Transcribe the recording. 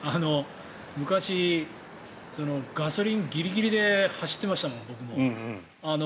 昔、ガソリン、ギリギリで走ってましたもん、僕も。